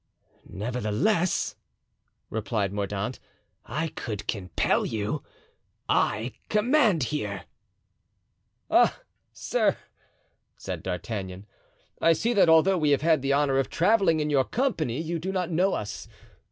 "Nevertheless," replied Mordaunt, "I could compel you; I command here." "Ah, sir!" said D'Artagnan, "I see that although we have had the honor of traveling in your company you do not know us.